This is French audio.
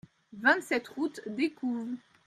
vingt-sept route d'Ecouves